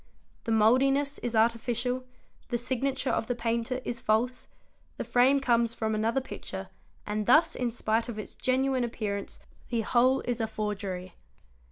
The mouldiness is artificial, the signature of the painter is false, the frame comes from another picture and thus in spite of its genuine appearance the whole is a forgery.